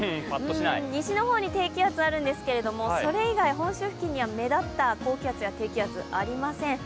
西の方に低気圧があるんですけれども、それ以外本州付近には目立った高気圧や低気圧ありません。